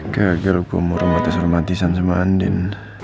gagal gue murah mata selamatisan sama andin